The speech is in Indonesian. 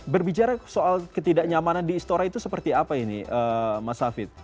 berbicara soal ketidaknyamanan di istora itu seperti apa ini mas hafid